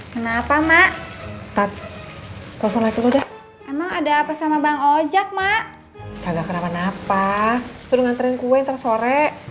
kenapa mak tak mau ada apa sama bang ojak mak kenapa napa sudah ngantrein kue tersore